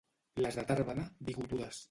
Les de Tàrbena, bigotudes.